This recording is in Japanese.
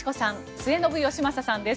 末延吉正さんです。